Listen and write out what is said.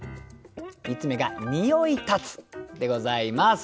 ３つ目が「匂ひたつ」でございます。